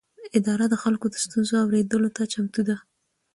اداره د خلکو د ستونزو اورېدلو ته چمتو ده.